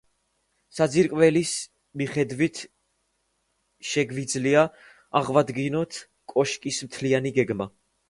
საძირკვლის მიხედვით შეგვიძლია აღვადგინოთ კოშკის მთლიანი გეგმა.